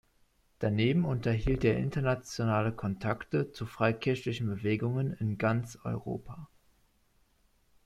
Daneben unterhielt er internationale Kontakte zu freikirchlichen Bewegungen in ganz Europa.